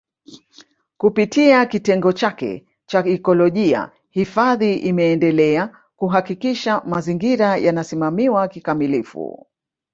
Kupitia kitengo chake cha ikolojia hifadhi imeendelea kuhakikisha mazingira yanasimamiwa kikamilifu